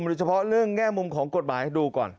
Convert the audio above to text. โดยเฉพาะเรื่องแง่มุมของกฎหมายให้ดูก่อน